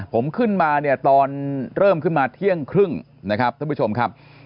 ผมขึ้นมาเนี่ยตอนเริ่มขึ้นมาเที่ยงครึ่งนะครับท่านผู้ชมครับ